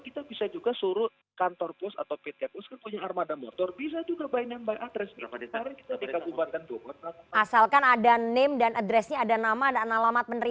kita akan kembali sesaat lagi